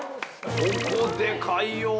◆ここでかいよー。